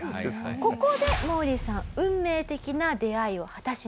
ここでモーリーさん運命的な出会いを果たします。